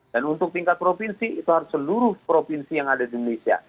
dan untuk tingkat provinsi itu harus seluruh provinsi yang ada di indonesia